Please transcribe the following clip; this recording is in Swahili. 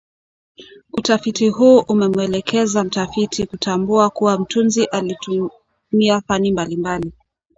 Utafiti huu umemwelekeza mtafiti kutambua kuwa mtunzi alitumia fani mbalimbali